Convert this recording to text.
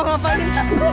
kita langsung aja